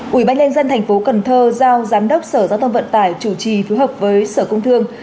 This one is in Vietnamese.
quỹ ban nhân dân thành phố cần thơ giao giám đốc sở giao thông vận tải chủ trì phù hợp với sở cung thương